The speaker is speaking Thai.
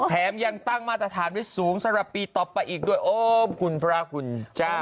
แถมยังตั้งมาตรฐานที่สูงสาระปีต่อไปอีกด้วยโอ๊ยพระคุณจ้า